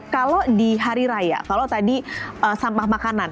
kalau di hari raya kalau tadi sampah makanan